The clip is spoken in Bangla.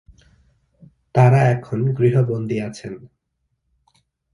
তারা এখন গৃহবন্দী আছেন।